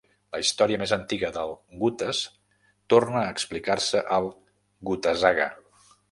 La història més antiga del gutes torna a explicar-se al "Gutasaga".